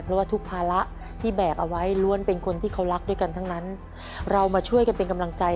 เพราะวะทุกภาระที่แบกออกไว้